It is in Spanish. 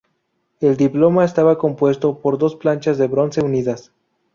El diploma estaba compuesto por dos planchas de bronce unidas.